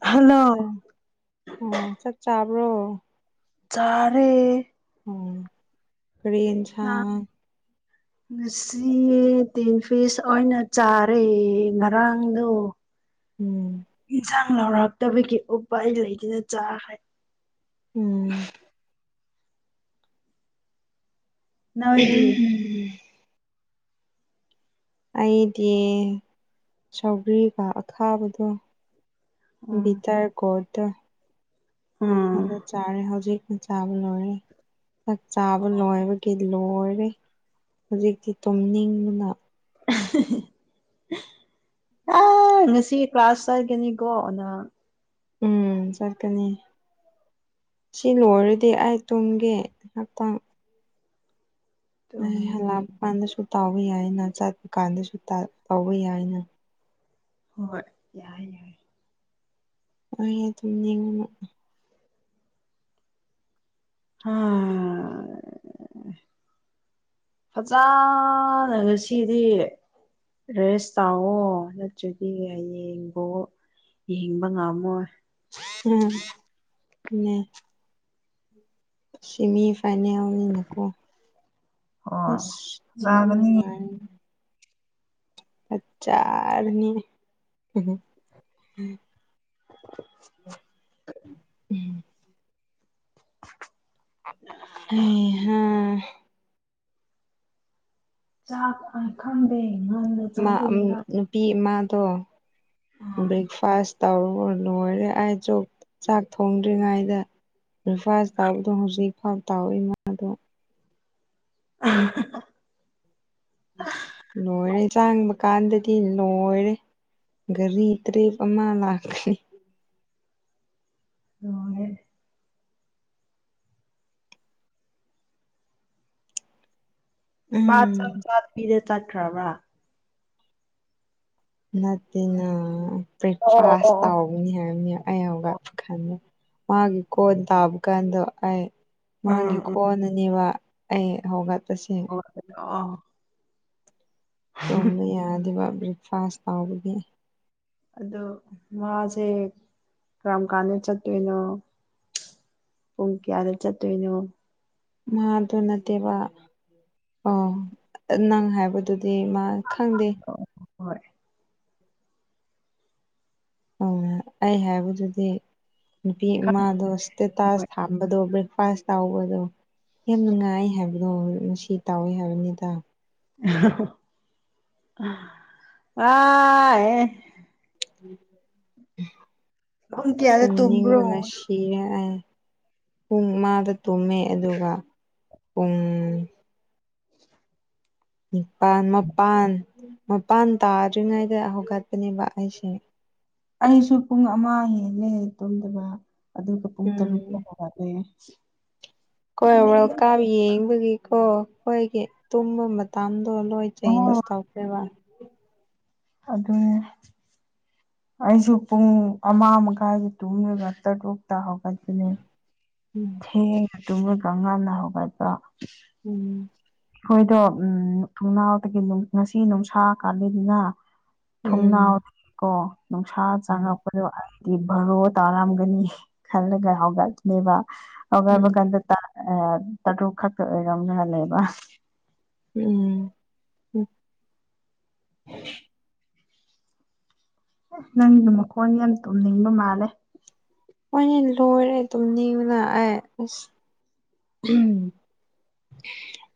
hello ꯎꯝ ꯆꯞ ꯆꯥꯕ꯭ꯔꯣ ꯆꯔꯦ ꯎꯝ ꯀꯔꯤ ꯑ ꯌꯦꯟꯁꯥꯡ [inaudible] ꯉꯁꯤ ꯇꯤꯟ ꯐꯤꯁ ꯑꯣꯏꯅ ꯆꯥꯔꯦ ꯉꯔꯥꯡꯗꯣ ꯎꯝ ꯏꯟꯁꯥꯡ ꯂꯧꯔꯛꯇꯕꯒꯤ ꯎꯄꯥꯏ ꯂꯩꯗꯅ ꯆꯥꯈꯔ꯭ꯦ ꯎꯝ ꯅꯣꯏꯗꯤ ꯑꯩꯗꯤ ꯁꯧꯒꯔ꯭ꯤꯒ ꯑꯈꯥꯕꯗꯣ ꯎꯝ ꯇꯔ ꯔꯗ ꯎꯝ ꯍ ꯆꯥꯔꯦ ꯍꯧꯖꯤꯛ ꯆ ꯆꯥꯕ ꯂꯣꯏꯔꯦ ꯆꯥꯛ ꯆꯥꯕ ꯂꯣꯏꯕ ꯀ ꯂꯣꯏꯔꯦ ꯍꯧꯖꯤꯛꯇꯤ ꯇꯨꯝꯅꯤꯡꯕꯅ [inaudible] ꯑ ꯉꯁꯤ ꯀ꯭ꯂꯥꯁ ꯆꯠꯀꯅꯤꯀꯣ ꯅꯪ ꯎꯝ ꯆꯠꯀꯅꯤ ꯁꯤ ꯂꯣꯏꯔꯗꯤ ꯑꯩ ꯇꯨꯝꯒꯦ ꯉꯥꯛꯇꯡ ꯑꯦ ꯂꯥꯛꯄ ꯀꯥꯟꯗꯁꯨ ꯇꯥꯎꯕ ꯌꯥꯏꯅ ꯆꯠꯄ ꯀꯥꯟꯗꯁꯨ ꯇꯧꯕ ꯌꯥꯏꯅ ꯍꯣꯏ ꯌꯥꯏ ꯌꯥꯏ ꯑꯩ ꯑꯗꯨꯝ ꯌꯦꯡꯉ ꯑ [inaudible] ꯐꯖꯅꯒ ꯁꯤꯗꯤ ꯔꯦꯁ ꯇꯥꯛꯑꯣ ꯅꯠꯇ꯭ꯔꯗꯤ ꯍꯌꯦꯡꯕꯣ ꯌꯦꯡꯕ ꯉꯝꯃꯣꯏ ꯎꯝ ꯎꯝ ꯁꯤꯃꯤ ꯐꯥꯏꯅꯦꯜ ꯅꯤꯅꯀꯣ ꯍꯣꯏ ꯑꯁ ꯐꯖꯒꯅꯤ ꯅꯨꯡꯉꯥꯏ ꯐꯖꯔꯥ ꯅꯤ ꯎꯝ ꯍꯩ ꯍꯥ ꯆꯥꯛ ꯈꯟꯗꯦ ꯈꯗꯦ ꯃꯥ ꯅꯨꯄꯤ ꯑꯃꯥꯗꯣ ꯑ ꯕ꯭ꯔꯦꯛꯐꯥꯁ ꯇꯧꯔ ꯂꯣꯏꯔꯦ ꯑꯩ ꯆꯣ ꯆꯥꯛ ꯊꯣꯡꯗ꯭ꯔꯤꯉꯩꯗ ꯕ꯭ꯔꯦꯛꯐꯥꯁ ꯇꯥꯎꯕꯗꯣ ꯍꯧꯖꯤꯛꯐꯥꯎ ꯇꯥꯎꯏꯃꯥꯗꯣ ꯑ ꯂꯣꯏꯔꯦ ꯆꯥꯡꯕ ꯀꯥꯟꯗꯗꯤ ꯂꯣꯏꯔꯦ ꯒꯥꯔꯤ ꯇꯔ꯭ꯤꯞ ꯑꯃꯥ ꯂꯥꯛꯈꯔ꯭ꯦ ꯂꯣꯏꯔꯦ ꯃꯥ ꯎꯝ ꯆꯥꯛ ꯆꯥ ꯄꯤꯔꯦ ꯆꯠꯈ꯭ꯔꯕ꯭ꯔꯥ ꯅꯠꯇꯦꯅ ꯑꯣ ꯕꯔꯦꯛꯐꯥꯥꯁ ꯑꯣ ꯇꯧ ꯍꯥꯏꯅꯤ ꯑꯩ ꯍꯧꯒꯠꯄ ꯈꯥꯟꯗ ꯃꯥꯒꯤ ꯀꯣꯟ ꯇꯥꯕ ꯀꯥꯟꯗ ꯑꯩ ꯃꯥꯒꯤ ꯎꯝ ꯎꯝ ꯈꯣꯟꯅꯅꯦꯕ ꯑꯩ ꯍꯧꯒꯠꯄꯁꯦ ꯑ [inaudible] ꯇꯨꯝꯕ ꯌꯥꯗꯦꯕ ꯕ꯭ꯔꯦꯛꯐꯥꯁ ꯇꯥꯎꯕꯒꯤ ꯑꯗꯣ ꯃꯥꯁꯦ ꯀꯔꯝ ꯀꯥꯟꯗ ꯆꯠꯇꯣꯏꯅꯣ ꯄꯨꯡ ꯀꯌꯥꯗ ꯆꯠꯇꯣꯏꯅꯣ ꯃꯥꯗꯨ ꯅꯠꯇꯦꯕ ꯑꯣ ꯅꯪ ꯍꯥꯏꯕꯗꯨꯗꯤ ꯃꯥ ꯈꯪꯗꯦ ꯑꯣ ꯍꯣꯏ ꯑ ꯑꯩ ꯍꯥꯏꯕꯗꯨꯗꯤ ꯅꯨꯄꯤ ꯏꯃꯥꯗꯣ ꯏꯁꯇꯦꯇꯥꯁ ꯈꯪꯉꯣꯏ ꯊꯥꯝꯕꯗꯣ ꯕ꯭ꯔꯦꯛꯐꯥꯁ ꯇꯧꯕꯗꯣ ꯌꯥꯝ ꯅꯨꯡꯉꯥꯏ ꯍꯥꯏꯕꯗꯣ ꯃꯁꯤ ꯇꯥꯎꯋꯦ ꯍꯥꯏꯕꯅꯤꯗ ꯑ ꯄꯨꯡ ꯀꯌꯥꯗ ꯇꯨꯝꯕ꯭ꯔꯣ ꯇꯨꯝꯅꯤꯡꯕꯅ ꯁꯤ ꯀꯤꯔꯦ ꯄꯨꯡ ꯑꯃꯥꯗ ꯇꯨꯝꯃꯦ ꯑꯗꯨꯒ ꯄꯨꯡ ꯅꯤꯄꯥꯜ ꯃꯄꯥꯟ ꯃꯄꯥꯟ ꯇꯥꯗ꯭ꯔꯤꯉꯩꯗ ꯍꯧꯒꯠꯄꯅꯦꯕ ꯑꯩꯁꯦ ꯑꯩꯁꯨ ꯄꯨꯡ ꯑꯃ ꯍꯦꯜꯂꯦ ꯇꯣꯝꯗꯕ ꯑꯗꯨꯒ ꯄꯨꯡ ꯎꯝ ꯇꯔꯨꯛ ꯗ ꯍꯧꯒꯠꯂꯦ ꯍꯣꯏ ꯅꯦ ꯋꯔꯀꯥꯞ ꯌꯦꯡꯕꯒꯤꯀꯣ ꯑꯩꯈꯣꯏꯒꯤ ꯇꯨꯝꯕ ꯃꯇꯝ ꯃꯇꯝꯗꯣ ꯂꯣꯏ ꯆꯦꯟꯖ ꯑꯣ ꯇꯧꯈ꯭ꯔꯦꯕ ꯑꯗꯨꯅꯦ ꯑꯩꯁꯨ ꯄꯨꯡ ꯑꯃ ꯃꯈꯥꯏꯒꯤ ꯇꯨꯝꯂꯒ ꯇꯔꯨꯛꯇ ꯍꯧꯒꯠꯄꯅꯦ ꯎꯝ ꯊꯦꯡꯅ ꯇꯨꯝꯃꯒ ꯉꯥꯟꯅ ꯍꯧꯒꯠꯄ ꯎꯝ ꯑꯩꯈꯣꯏꯗꯣ ꯎꯝ ꯊꯣꯡꯅꯥꯎꯗꯒꯤ ꯉꯁꯤ ꯅꯨꯡꯁꯥ ꯀꯥꯂꯤꯗꯅ ꯎꯝ ꯊꯣꯡꯅꯥꯎꯗꯒꯤ ꯀꯣ ꯅꯨꯡꯁꯥ ꯎꯝ ꯆꯪꯉꯛꯄ ꯑꯩꯗꯤ ꯚꯔꯣ ꯇꯥꯔꯝꯒꯅꯤ ꯈꯜꯂꯒ ꯍꯧꯒꯠꯂꯦꯕ ꯎꯝ ꯍꯧꯒꯠꯀꯥꯟꯗ ꯇꯥꯔꯨꯛ ꯈꯛꯇ ꯑꯣꯏꯔꯝꯃꯦꯕ ꯎꯝ ꯎꯝ ꯅꯪꯗꯤ ꯃꯈꯣꯡ ꯌꯥꯝ ꯇꯨꯝꯅꯤꯡꯕ ꯃꯥꯜꯂꯦ ꯍꯣꯏꯅꯦ ꯂꯣꯏꯔꯦ ꯇꯨꯝꯅꯤꯡꯕꯅ ꯑꯩ ꯑꯁ ꯎꯝ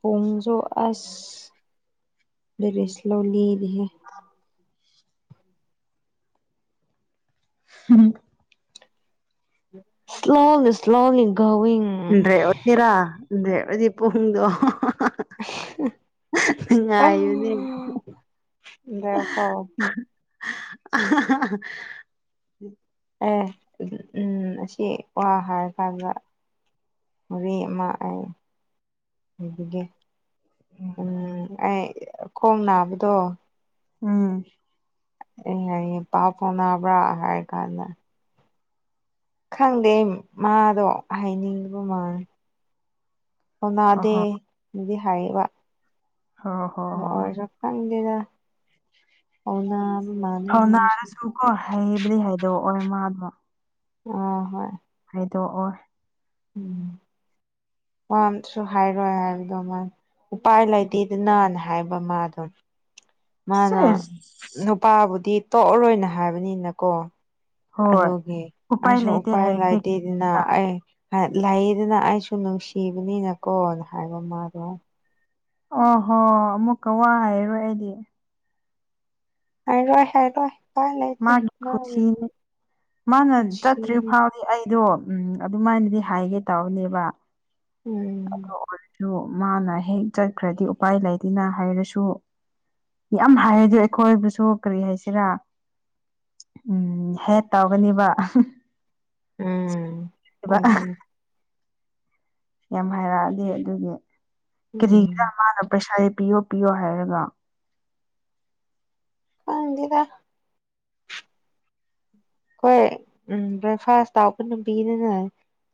ꯄꯨꯡꯁꯨ ꯑꯁ ꯔꯦꯁꯂꯔꯤꯦ [inaudible] [unintelligible] ꯁ꯭ꯂꯣꯂꯤ ꯁ꯭ꯂꯣꯂꯤ ꯒꯣꯋꯤꯡ ꯄꯨꯡꯗꯣ ꯅꯨꯉꯥꯏꯕꯅꯤ ꯀꯣ [unintelligible] ꯑꯦ ꯎꯝ ꯑꯁꯤ ꯋꯥ ꯍꯥꯏꯔꯀꯥꯟꯗ ꯋꯥꯔꯤ ꯑꯃ ꯑꯩ ꯂꯩꯕꯤꯒꯦ ꯎꯝ ꯑꯩ ꯈꯣꯡ ꯅꯥꯕꯗꯣ ꯎꯝ ꯑꯦ ꯍꯌꯦ ꯏ ꯄꯥ ꯐꯥꯎꯅꯕ꯭ꯔꯥ ꯍꯥꯏꯔ ꯀꯥꯟꯗ [inaudible] ꯈꯪꯗꯦ ꯃꯥꯗꯣ ꯍꯥꯏꯅꯤꯡꯕ ꯃꯥꯜꯂꯦ ꯑꯣꯅꯥꯗꯦ ꯑꯍꯣ ꯑꯗꯨꯗꯤ ꯍꯥꯏꯕ ꯍꯣꯏ ꯍꯣꯏ ꯑꯣ ꯍꯣꯏ ꯑꯣꯏꯔꯁꯨ ꯍꯪꯗꯦꯗ ꯊꯧꯅꯥꯔꯁꯨ ꯀꯣ ꯍꯩꯕꯗꯤ ꯍꯩꯏꯗꯣꯛꯑꯣꯏ ꯃꯥꯗꯣ ꯑꯥ ꯍꯣꯏ ꯍꯥꯏꯗꯣꯛꯑꯣꯏ ꯎꯝ ꯄꯥꯝꯁꯨ ꯍꯥꯏꯔꯣꯏ ꯍꯥꯏꯕꯗꯣ ꯃꯥ ꯎꯄꯥꯏ ꯂꯩꯇꯦꯗꯅꯥꯅ ꯍꯥꯏꯕ ꯃꯥꯗꯣ ꯃꯥꯅ ꯁꯦꯁ ꯅꯨꯄꯥꯕꯨꯗꯤ ꯇꯣꯛꯑꯔꯣꯏꯅ ꯍꯥꯏꯕꯅꯤꯅꯀꯣ ꯍꯣꯏ ꯑꯗꯨꯒꯤ ꯑꯩꯁꯨ ꯂꯩꯇꯦ ꯎꯄꯥꯏ ꯍꯥꯏꯔꯗꯤ ꯂꯩꯥꯏꯇꯦ ꯑꯗꯨꯅ ꯑꯩ ꯂꯩꯗꯅ ꯑꯩꯁꯨ ꯅꯨꯡꯁꯤꯕꯅꯤꯅꯀꯣꯅ ꯍꯥꯏꯕ ꯃꯥꯗꯣ ꯑꯣ ꯍꯣ ꯑꯃꯨꯛꯀꯥ ꯋꯥ ꯍꯥꯏꯔꯣꯏ ꯑꯩꯗꯤ ꯍꯥꯏꯔꯣꯏ ꯍꯥꯏꯔꯣꯏ ꯎꯄꯥꯏ ꯂꯩꯇꯦ ꯃꯥꯒꯤ ꯈꯨꯁꯤꯅꯤ ꯃꯥꯅ ꯆꯠꯇ꯭ꯔꯤ ꯀꯨꯁꯤꯅꯤ ꯐꯥꯎ ꯑꯩꯗꯣ ꯎꯝ ꯑꯗꯨꯃꯥꯏꯅꯗꯤ ꯍꯥꯏꯒꯦ ꯇꯥꯎꯕꯅꯦꯕ ꯎꯝ ꯑꯗꯨ ꯃꯥꯅ ꯍꯦꯛ ꯆꯠꯈ꯭ꯔꯗꯤ ꯎꯄꯥꯏ ꯂꯩꯇꯦꯅ ꯍꯥꯏꯔꯁꯨ ꯌꯥꯝ ꯍꯥꯏꯔꯗꯤ ꯑꯩꯈꯣꯏꯕꯨꯁꯨ ꯀꯔꯤ ꯍꯥꯏꯁꯤꯔꯥ ꯎꯝ ꯍꯦꯛ ꯇꯧꯒꯅꯤꯕ ꯎꯝ ꯑꯗꯨꯅꯤ ꯌꯥꯝ ꯍꯥꯏꯔꯛꯑꯗꯤ ꯑꯗꯨꯒꯤ ꯀꯔꯤꯒꯤꯔꯥ ꯎꯝ ꯃꯥꯅ ꯄꯩꯁꯥꯗꯤ ꯄꯤꯌꯣ ꯄꯤꯌꯣ ꯍꯥꯏꯔꯒ ꯈꯪꯗꯦꯗꯥ ꯍꯣꯏ ꯎꯝ ꯕ꯭ꯔꯦꯛꯐꯥꯁ ꯇꯥꯕ ꯅꯨꯄꯤꯗꯨꯅ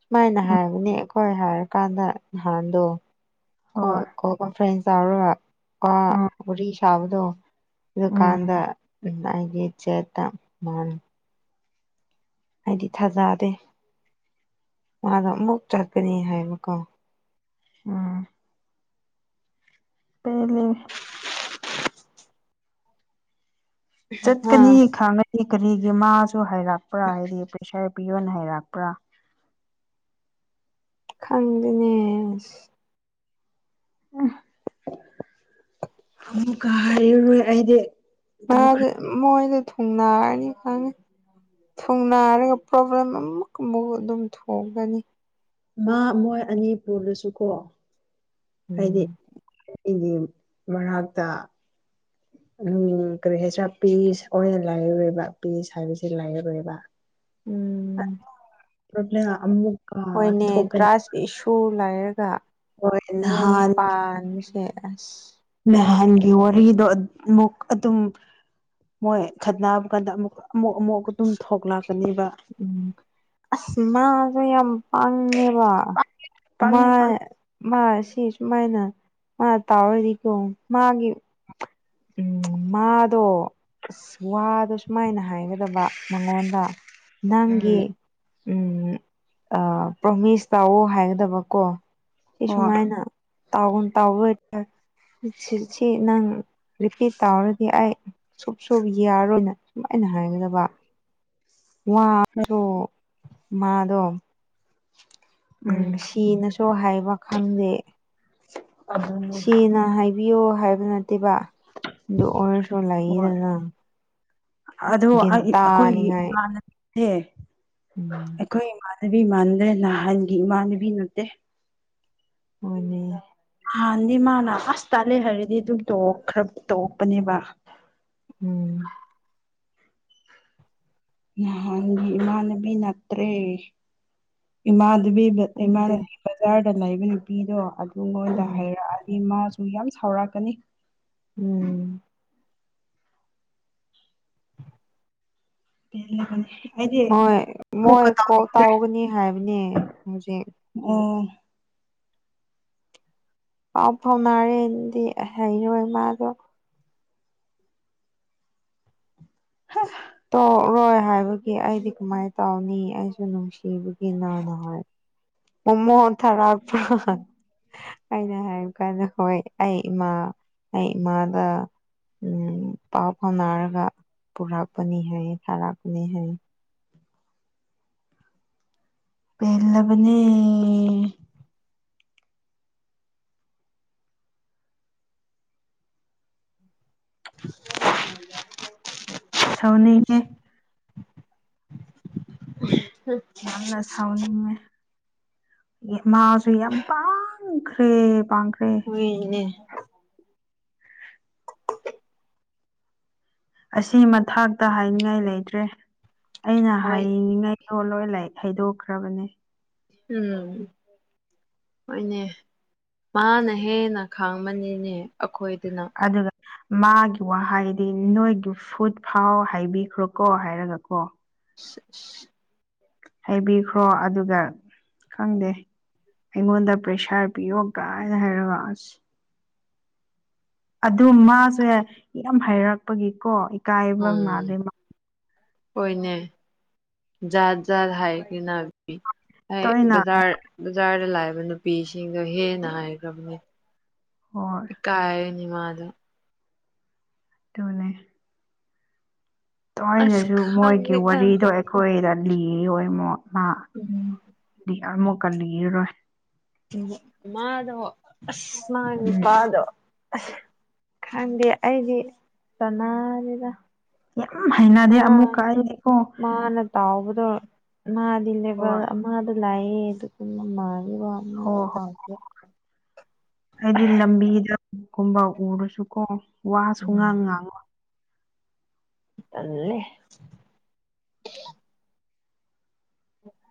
ꯁꯨꯃꯥꯏꯅ ꯎꯝ ꯍꯥꯏꯕꯅꯦ ꯍꯣꯏ ꯍꯥꯏꯔꯀꯥꯟꯗ ꯅꯍꯥꯟꯗꯣ ꯍꯣꯏ ꯐ꯭ꯔꯦꯟ ꯆꯥꯎꯔꯨꯔ ꯑꯥ ꯎꯝ ꯋꯥꯔꯤ ꯁꯥꯕꯗꯣ ꯎꯝ ꯑꯗꯨꯀꯥꯟꯗ [unintelligible] ꯆꯦꯇꯇꯥ ꯑꯩꯗꯤ ꯊꯥꯖꯗꯦ ꯃꯥꯗꯣ ꯑꯃꯨꯛ ꯆꯠꯀꯅꯤ ꯍꯥꯏꯕꯀꯣ ꯎꯝ ꯄꯦꯜꯂꯦ ꯆꯠꯀꯅꯤ ꯑꯥ ꯈꯥꯡꯒꯗꯤ ꯀꯔꯤꯒꯤ ꯃꯥꯁꯨ ꯍꯥꯏꯔꯛꯄ꯭ꯔꯥ ꯍꯥꯏꯗꯤ ꯄꯩꯁꯥ ꯄꯤꯌꯣꯅ ꯍꯥꯏꯔꯛꯄ꯭ꯔꯥ ꯈꯪꯗꯅꯦ ꯑꯁ ꯎꯝ ꯑꯃꯨꯛꯀꯥ ꯍꯥꯏꯔꯔꯣꯏ ꯑꯩꯗꯤ ꯃꯥꯗꯤ ꯇꯧꯈ꯭ꯔꯦ ꯃꯣꯏꯗꯤ ꯊꯨꯡꯅꯔꯅꯤ ꯈꯪꯉꯦ ꯊꯨꯡꯅꯥꯔꯒ ꯄ꯭ꯔꯣꯕ꯭ꯂꯦꯝ ꯑꯃꯨꯛꯀꯥ ꯑꯃꯨꯛ ꯑꯗꯨꯝ ꯊꯣꯛꯒꯅꯤ ꯃꯥ ꯃꯣꯏ ꯑꯅꯤ ꯄꯨꯜꯂꯁꯨꯀꯣ ꯍꯥꯏꯗꯤ ꯎꯝ ꯏꯒꯤ ꯃꯔꯥꯛꯇ ꯎꯝ ꯀꯔꯤ ꯍꯥꯏꯁꯤꯔꯥ ꯄꯤꯁ ꯑꯣꯏꯅ ꯂꯥꯏꯔꯔꯣꯏꯕ ꯄꯤꯁ ꯍꯥꯏꯕꯁꯤ ꯂꯥꯏꯔꯔꯣꯏꯕ ꯎꯝ [unintelligible] ꯍꯣꯏꯅꯦ ꯊꯣꯛꯀꯅꯤ ꯇ꯭ꯔꯥꯁ ꯏꯁꯨ ꯂꯩꯥꯏꯔꯒ ꯍꯣꯏ ꯌꯨꯝ ꯅꯍꯥꯟ ꯄꯥꯟꯁꯦ ꯑꯁ ꯅꯍꯥꯟꯒꯤ ꯋꯥꯔꯤꯗꯣ ꯑꯃꯨꯛ ꯑꯗꯨꯝ ꯃꯣꯏ ꯈꯠꯅꯕ ꯀꯥꯟꯗ ꯑꯃꯨꯛ ꯑꯃꯨꯛ ꯑꯃꯨꯛꯀ ꯑꯗꯨꯝ ꯊꯣꯛꯂꯛꯀꯅꯤ ꯎꯝ ꯑꯁ ꯃꯥꯗꯣ ꯌꯥꯝ ꯄꯥꯥꯡꯉꯦꯕ ꯄꯪꯉꯦ ꯄꯪꯉꯦ ꯃꯥ ꯁꯤ ꯁꯨꯃꯥꯏꯅ ꯃꯥ ꯇꯥꯑꯣꯗꯤꯀꯣ ꯃꯥꯒꯤ ꯎꯝ ꯃꯥꯗꯣ ꯑꯁ ꯋꯥꯗꯣ ꯁꯨꯃꯥꯏꯅ ꯍꯥꯏꯒꯗꯕ ꯃꯉꯣꯟꯗ ꯎꯝ ꯅꯪꯒꯤ ꯎꯝ ꯑꯥ ꯄ꯭ꯔꯣꯃꯤꯁ ꯇꯧꯑꯣ ꯍꯥꯏꯒꯗꯕꯀꯣ ꯁꯤ ꯁꯨꯃꯥꯏꯅ ꯇꯥꯎꯟ ꯁꯤꯁꯤ ꯅꯪ ꯔꯤꯄꯤꯠ ꯇꯧꯔꯗꯤ ꯑꯩ ꯁꯨꯞ ꯁꯨꯞ ꯌꯥꯔꯣꯏꯅ ꯁꯨꯝꯃꯥꯏꯅ ꯍꯥꯏꯒꯗꯕ ꯋꯥꯗꯣ ꯃꯥꯗꯣ ꯎꯝ ꯁꯤꯅꯁꯨ ꯍꯥꯏꯕ ꯈꯪꯗꯦ ꯑꯗꯨꯅꯦ ꯁꯤꯅ ꯍꯥꯏꯕꯤꯌꯣ ꯍꯥꯏꯕ ꯅꯠꯇꯦꯕ ꯑꯗꯨ ꯑꯣꯏꯔꯁꯨ ꯍꯣꯏ ꯂꯩꯗꯅ ꯒꯤꯟ ꯇꯥꯅꯤꯡꯉꯥꯏ ꯑꯦ ꯎꯝ ꯑꯩꯈꯣꯏ ꯏꯃꯥꯟꯅꯕꯤ ꯃꯥꯟꯗꯦ ꯅꯍꯥꯟꯒꯤ ꯏꯃꯥꯟꯅꯕꯤ ꯅꯠꯇꯦ ꯍꯣꯢꯅꯦ ꯅꯍꯥꯟꯗꯤ ꯃꯥꯅ ꯑꯁ ꯇꯥꯂꯦ ꯍꯥꯏꯔꯗꯤ ꯑꯗꯨꯝ ꯇꯣꯛ ꯇꯣꯛꯄꯅꯦꯕ ꯎꯝ ꯅꯍꯥꯟꯒꯤ ꯏꯃꯥꯟꯅꯕꯤ ꯅꯠꯇ꯭ꯔꯦ ꯏꯃꯥꯟꯅꯕꯤ ꯈꯪꯗꯦ ꯏꯃꯥꯟꯅꯕꯤ ꯕꯖꯥꯔꯗ ꯂꯩꯕ ꯅꯨꯄꯤꯗꯣ ꯑꯗꯨꯉꯣꯟꯗ ꯎꯝ ꯍꯥꯏꯔꯛꯑꯗꯤ ꯃꯥꯁꯨ ꯌꯥꯝ ꯁꯥꯎꯔꯛꯀꯅꯤ ꯎꯝ ꯄꯂꯀꯅꯤ ꯍꯣꯏ ꯃꯣꯏ ꯀꯣꯛ ꯇꯧꯒꯅꯤ ꯍꯥꯏꯕꯅꯦ ꯍꯧꯖꯤꯛ ꯑꯣ ꯄꯥꯎ ꯐꯥꯎꯅꯔꯦꯅꯗꯤ ꯍꯩꯔꯣꯏ ꯃꯥꯗꯣ ꯍꯥ ꯇꯣꯛꯔꯣꯏ ꯍꯥꯏꯕꯒꯤ ꯑꯩꯗꯤ ꯀꯃꯥꯏꯅ ꯇꯧꯅꯤ ꯑꯩꯁꯨ ꯅꯨꯡꯁꯤꯕꯒꯤ ꯅꯣꯢꯗ ꯍꯥꯏꯕꯅꯤ ꯑꯣꯃꯣ ꯍꯣꯟꯟ ꯊ ꯔꯥꯒꯄꯨꯔ [inaudible] ꯑꯩꯅ ꯍꯥꯏꯕ ꯀꯥꯟꯗ ꯍꯣꯏ ꯑꯩ ꯏꯃꯥ ꯑꯩ ꯏꯃꯥꯗ ꯑꯝ ꯄꯥꯎ ꯐꯥꯎꯅꯔꯒ ꯄꯨꯔꯛꯄꯅꯤ ꯍꯥꯏꯌꯦ ꯊꯥꯔꯛꯄꯅꯤ ꯍꯥꯏꯌꯦ ꯄꯦꯂꯕꯅꯤ [unintelligible] ꯁꯧꯅꯤꯡꯌꯦ [unintelligible] ꯅ ꯁꯥꯎꯅꯤ ꯃꯥꯁꯨ ꯌꯥꯝ ꯄꯥꯡꯈ꯭ꯔꯦ ꯄꯥꯡꯈ꯭ꯔꯦ ꯀꯅꯦ ꯑꯣ ꯑꯁꯤ ꯃꯊꯥꯛꯇ ꯍꯥꯏꯅꯤꯡꯉꯥꯏ ꯂꯩꯇ꯭ꯔꯦ ꯑꯩꯅ ꯍꯣꯏ ꯍꯥꯏꯅꯤꯡꯉꯩꯗꯣ ꯂꯣꯏ ꯂ ꯍꯩꯗꯣꯛꯈ꯭ꯔꯕꯅꯦ ꯎꯝ ꯍꯣꯏꯅꯦ ꯃꯥꯅ ꯍꯦꯟꯅ ꯈꯥꯡꯕꯅꯤꯅꯦ ꯑꯩꯈꯣꯏꯗꯅ ꯑꯗꯨꯒ ꯃꯥꯒꯤ ꯋꯥꯍꯩꯗꯤ ꯅꯣꯏꯒꯤ ꯐꯨꯠ ꯐꯥꯎ ꯍꯥꯏꯕꯤꯈ꯭ꯔꯣꯀꯣ ꯍꯥꯏꯔꯒ ꯀꯣ ꯑ ꯍꯥꯏꯩꯕꯤꯈ꯭ꯔꯣ ꯑꯗꯨꯒ ꯈꯪꯗꯦ ꯑꯩꯉꯣꯟꯗ ꯄ꯭ꯔꯦꯁꯥꯔ ꯄꯤꯌꯣ ꯀꯥꯏꯅ ꯍꯥꯏꯔꯁ ꯑꯗꯨ ꯃꯥꯁꯦ ꯌꯥꯝ ꯍꯥꯏꯩꯔꯛꯄꯒꯤꯀꯣ ꯎꯝ ꯍꯣꯏꯅꯦ ꯖꯥꯠ ꯖꯥꯠ ꯍꯥꯏꯒ ꯅꯥꯕꯤ ꯍꯥꯏ ꯇꯣꯏꯅ ꯕꯖꯥꯔ ꯕꯖꯥꯔꯗ ꯂꯥꯛꯏꯕ ꯅꯨꯄꯤꯁꯤꯡꯗꯣ ꯍꯦꯟꯅ ꯍꯥꯏꯈ꯭ꯔꯕꯅꯦ ꯍꯣꯏ ꯏꯀꯥꯏꯅꯤ ꯃꯥꯗꯣ ꯗꯨꯅꯦ ꯑꯁ ꯇꯣꯏꯅꯁꯨ ꯃꯣꯏꯒꯤ ꯈꯪꯗꯦꯗ ꯋꯥꯔꯤꯗꯣ ꯑꯩꯈꯣꯏꯗ ꯂꯤ ꯑꯣꯏꯃꯣ ꯃꯥꯗꯤ ꯑꯃꯨꯛ ꯀꯜꯂꯤꯔꯣꯏ ꯃꯥꯗꯣ ꯑꯁ ꯃ ꯎꯝ ꯅꯨꯄꯥꯗꯣ ꯑꯁ ꯈꯪꯗꯦ ꯑꯩꯗꯤ ꯆꯅꯗꯦꯗ ꯌꯥꯝ ꯍꯥꯏꯅ ꯑ ꯃꯥꯅ ꯇꯥꯎꯕꯗꯣ ꯃꯥꯗꯤ ꯂꯩꯕ ꯍꯣꯏ ꯃꯥꯗ ꯂꯥꯏꯗꯨꯀꯅ ꯃꯥꯔꯤ ꯋꯥꯔ ꯍꯣꯏ ꯇꯥꯇ ꯍꯣꯏ ꯍꯥꯏꯗꯤ ꯂꯝꯕꯤꯗꯒꯨꯝꯕ ꯎꯔꯁꯨꯀꯣ ꯋꯥꯁꯨ ꯎꯝ ꯉꯥꯡ ꯉꯥꯡꯉꯣ ꯑꯂꯦ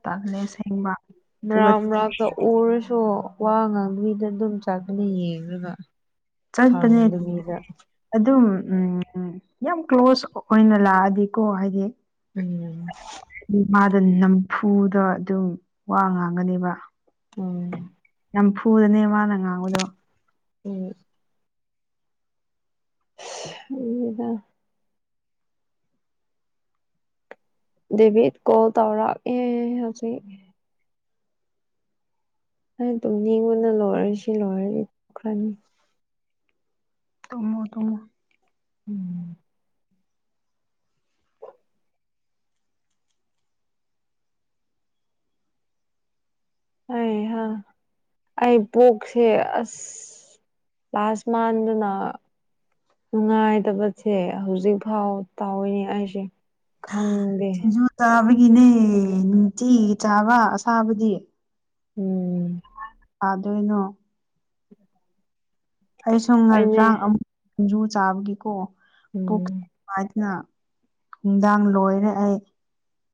ꯇꯜꯂꯦ ꯑꯁꯦꯡꯕ ꯑꯗꯨꯒ ꯔꯝ ꯔꯝꯗ ꯎꯔꯁꯨꯣ ꯋꯥ ꯉꯥꯡꯕꯕꯤꯗ ꯑꯗꯨꯝ ꯆꯥꯛꯀꯅꯤ ꯌꯦꯡꯉꯒ ꯆꯠꯄꯅꯦ ꯑꯗꯨꯝ ꯎꯝ ꯌꯥꯝ ꯀ꯭ꯂꯣꯁ ꯑꯣꯏꯅ ꯂꯥꯛꯑꯗꯤꯀꯣ ꯍꯥꯏꯗꯤ ꯎꯝ ꯑꯗꯤ ꯃꯥꯗ ꯅꯝꯐꯨꯗ ꯑꯗꯨꯝ ꯋꯥ ꯉꯥꯡꯒꯅꯦꯕ ꯎꯝ ꯅꯝꯐꯨꯗꯅꯦ ꯃꯥꯅ ꯉꯥꯡꯕꯗꯣ ꯎꯝ [unintelligible] ꯗꯦꯚꯤꯠ ꯀꯣꯜ ꯇꯧꯔꯛ ꯑꯦ ꯍꯧꯖꯤꯛ ꯑꯩ ꯇꯨꯡꯅꯤꯡꯕꯅ ꯂꯣꯏꯔꯦꯁꯤ ꯂꯣꯏꯔꯗꯤ ꯇꯨꯝꯈ꯭ꯔꯅꯤ ꯇꯨꯝꯃꯣ ꯇꯨꯝꯃꯣ ꯎꯝ ꯍꯩꯍꯥ ꯑꯩ ꯀꯣꯛꯁꯦ ꯑꯁ ꯂ꯭ꯥꯁꯃꯥꯟꯗꯅ ꯅꯨꯡꯉꯥꯏꯇꯕꯁꯦ ꯍꯧꯖꯤꯛ ꯐꯥꯎ ꯇꯧꯋꯏꯅꯦ ꯑꯩꯁꯦ ꯈꯪꯗꯦ ꯁꯤꯡꯖꯨ ꯆꯥꯕꯒꯤꯅꯦ ꯅꯨꯡꯇꯤ ꯆꯥꯕ ꯑꯁꯥꯕꯗꯤ ꯎꯝ ꯑꯥꯗꯣꯏꯅꯣ ꯑꯩ ꯁꯨꯝ ꯑꯩꯅꯦ ꯉꯔꯥꯡ ꯑꯃꯨꯛ ꯁꯤꯡꯖꯨ ꯆꯥꯕꯒꯤꯀꯣ ꯎꯝ ꯍꯥꯏꯗꯅ ꯅꯨꯡꯗꯥꯡ ꯂꯣꯏꯔꯦ ꯑꯩ